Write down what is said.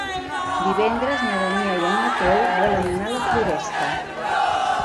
Divendres na Damià i en Mateu volen anar a la Floresta.